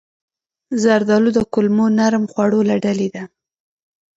زردالو د کولمو نرم خوړو له ډلې ده.